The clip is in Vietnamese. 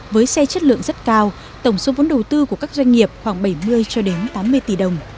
với xe chất lượng rất cao tổng số vốn đầu tư của các doanh nghiệp khoảng bảy mươi cho đến tám mươi tỷ đồng